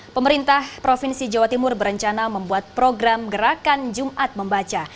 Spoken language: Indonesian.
pemerintah provinsi jawa timur berencana membuat program gerakan jumat membaca